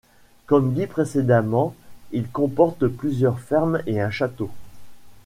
Comme dit précédemment, il comporte plusieurs fermes et un château.